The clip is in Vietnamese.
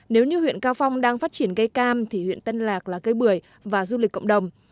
nếu như huyện cao phong đang phát triển cây cam thì huyện tân lạc là cây bưởi và du lịch cộng đồng